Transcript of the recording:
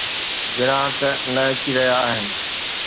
گراهڪ نه اچي رهيا آهن.